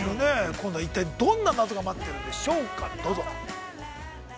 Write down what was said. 今度は一体どんな謎が待っているんでしょうか、どうぞ。